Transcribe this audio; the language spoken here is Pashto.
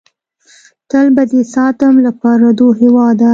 تل به دې ساتم له پردو هېواده!